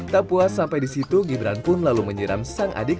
tak puas sampai di situ gibran pun lalu menyiram sang adik